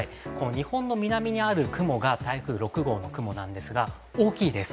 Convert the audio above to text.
日本の南にある雲が台風６号の雲なんですが、大きいです。